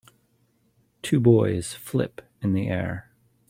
Two boys flip in the air.